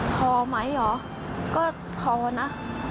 ทอไหมหรอก็ทอนะ